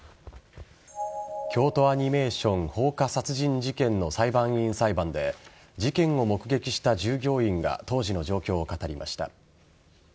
京都アニメーション放火殺人事件の裁判員裁判で事件を目撃した従業員が当時の状況を語りました。